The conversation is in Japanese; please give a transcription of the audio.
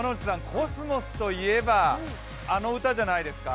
コスモスといえばあの歌じゃないですか。